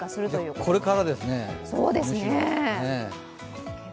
これからですね、楽しみ。